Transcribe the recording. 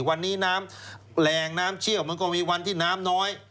วันนี้น้ำแรงน้ำเชี่ยวมันก็มีวันที่น้ำน้อย